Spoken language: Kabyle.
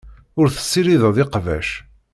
Ur tessirideḍ iqbac.